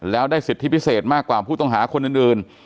แล้วได้สิทธิพิเศษมากกว่าผู้ต้องหาคนอื่น